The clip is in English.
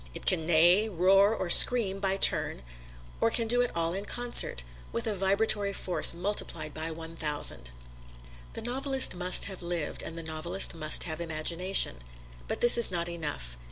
It can neigh, roar or scream by turn, or can do all in concert, with a vibratory force multiplied by one thousand. The novelist must have lived, and the novelist must have imagination. But this is not enough.